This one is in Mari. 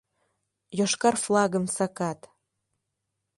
Йошкар флагым сакат.